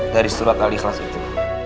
dari surat al ikhlas itu